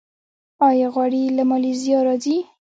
آیا غوړي له مالیزیا راځي؟